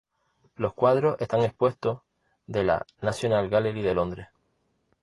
Los cuadros están expuestos de la National Gallery de Londres.